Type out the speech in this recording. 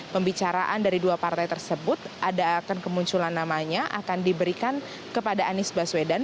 pembicaraan dari dua partai tersebut ada akan kemunculan namanya akan diberikan kepada anies baswedan